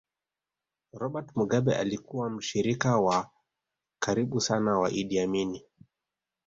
Robert Mugabe alikuwa mshirika wa karibu sana wa Idi Amin